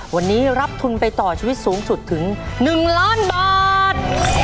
วันนี้รับทุนไปต่อชีวิตสูงสุดถึง๑ล้านบาท